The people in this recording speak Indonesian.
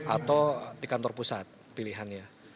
atau di kantor pusat pilihannya